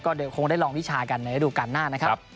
ก็คงได้ลองวิชากันดูกันหน้านะครับ